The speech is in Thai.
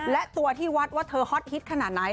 และตัวที่วัดว่าเธอฮอตฮิตขนาดไหน